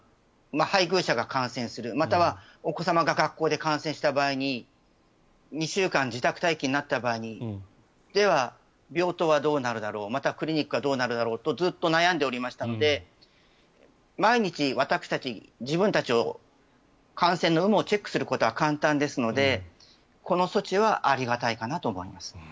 配偶者が感染する、またはお子様が学校で感染した場合に２週間、自宅待機になった場合病棟はどうなるだろう、またクリニックはどうなるだろうとずっと悩んでおりましたので毎日、私たち、自分たちの感染の有無をチェックすることは簡単ですのでこの措置はありがたいかなと思います。